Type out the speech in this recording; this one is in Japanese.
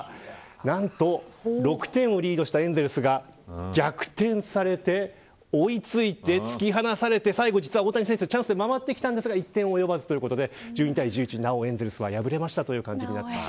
何と６点をリードしたエンゼルスが逆転されて追いついて突き放されて、最後、いざ大谷選手にチャンスで回ってきたんですが１点及ばず、ということで１２対１１でエンゼルスは敗れました。